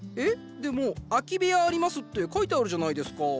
でも「アキベヤあります」って書いてあるじゃないですか。